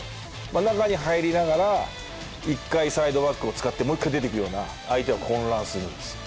真ん中に入りながら、一回サイドバックを使って、もう一回出てくような、相手は混乱するんです。